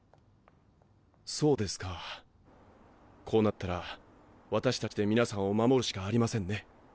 そうですかこうなったら私達で皆さんを守るしかありませんね。